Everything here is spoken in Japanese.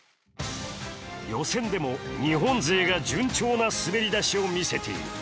予選でも日本勢が順調な滑り出しを見せている。